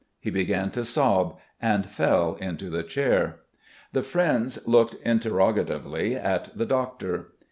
He began to sob and fell into the chair. The friends looked interrogatively at the doctor.